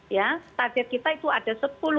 ya target kita itu ada sepuluh